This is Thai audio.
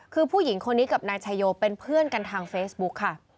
คือผู้หญิงคนนี้กับนายชายโยเป็นเพื่อนกันทางเฟซบุ๊กค่ะ